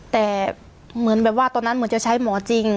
แต่เหมือนแบบว่าตอนนั้นเหมือนจะใช้หมอจริง